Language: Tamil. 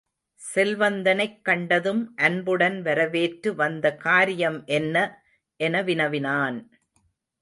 செல்வந்தனைக் கண்டதும், அன்புடன் வரவேற்று, வந்த காரியம் என்ன? என வினவினான்.